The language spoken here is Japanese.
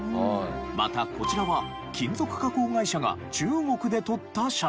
またこちらは金属加工会社が中国で撮った写真。